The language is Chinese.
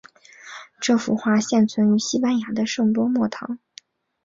这幅画现存于西班牙的圣多默堂。